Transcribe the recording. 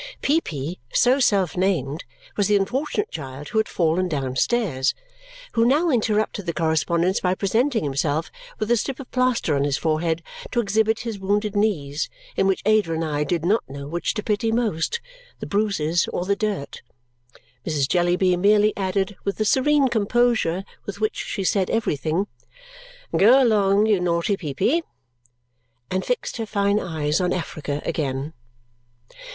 Peepy (so self named) was the unfortunate child who had fallen downstairs, who now interrupted the correspondence by presenting himself, with a strip of plaster on his forehead, to exhibit his wounded knees, in which Ada and I did not know which to pity most the bruises or the dirt. Mrs. Jellyby merely added, with the serene composure with which she said everything, "Go along, you naughty Peepy!" and fixed her fine eyes on Africa again.